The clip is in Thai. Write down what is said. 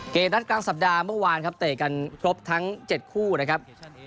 นัดกลางสัปดาห์เมื่อวานครับเตะกันครบทั้ง๗คู่นะครับ